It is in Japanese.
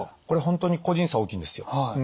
これ本当に個人差大きいんですよ。